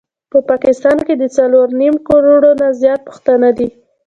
په پاکستان کي د څلور نيم کروړ نه زيات پښتانه دي